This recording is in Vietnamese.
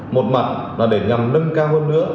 một mặt là để nhằm nâng cao hơn nữa